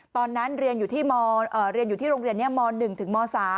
ตอนนั้นเรียนอยู่ที่โรงเรียนม๑ถึงม๓